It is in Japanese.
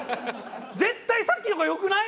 絶対さっきの方が良くない？